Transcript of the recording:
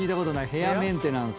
ヘアメンテナンス。